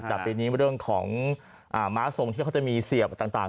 แต่ปีนี้เรื่องของม้าทรงที่เขาจะมีเสียบต่าง